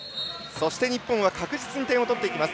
そして日本は確実に点を取っていきます。